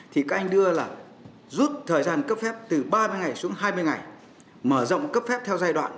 thì các anh đưa là rút thời gian cấp phép từ ba mươi ngày xuống hai mươi ngày mở rộng cấp phép theo giai đoạn